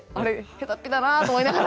へたっぴだなと思いながら。